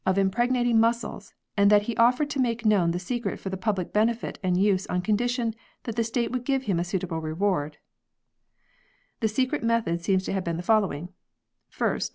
impregnating mussels, and that he offered to make known the secret for the public benefit and use on condition that the state would give him a suitable reward 1 ." The secret method seems to have been the following : 1st.